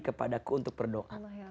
kepada aku untuk berdoa